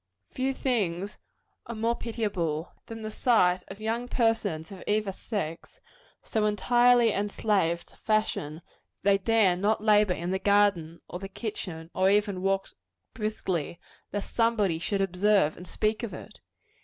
Few things are more pitiable, than the sight of young persons of either sex, so entirely enslaved to fashion, that they dare not labor in the garden, or the kitchen, or even walk briskly, lest somebody should observe and speak of it.